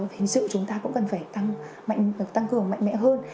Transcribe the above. hình sự chúng ta cũng cần phải tăng cường mạnh mẽ hơn